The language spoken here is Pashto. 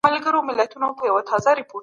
چي د بشر په تاریخ کي د استعمار فکر.